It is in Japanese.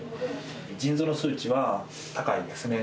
腎臓の数値は高いですね。